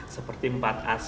seperti empat as